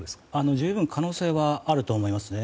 十分可能性はあると思います。